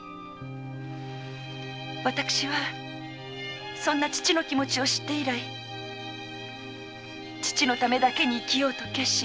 私はそんな父の気持ちを知って以来父のためだけに生きようと決心しました。